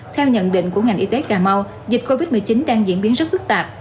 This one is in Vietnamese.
theo nhận định của ngành y tế cà mau dịch covid một mươi chín đang diễn biến rất phức tạp